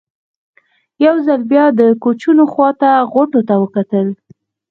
یو ځل بیا مې د کوچونو خوا ته غوټو ته وکتل.